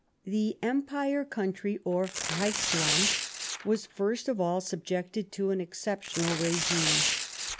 175 Bismarck The " Empire Country," or Reichsland, was first of all subjected to an exceptional regime.